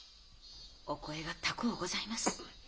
お声が高うございます。